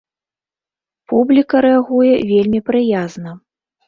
Публіка рэагуе вельмі прыязна.